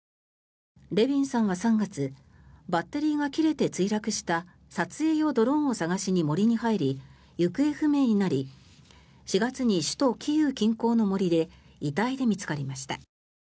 レビンさんは３月バッテリーが切れて墜落した撮影用ドローンを探しに森に入り、行方不明になり４月に首都キーウ近郊の森で遺体で見つかりました。